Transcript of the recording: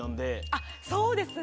あっそうですね！